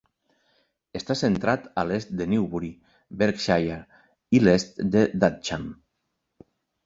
Està centrat a l'est de Newbury, Berkshire i l'est de Thatcham.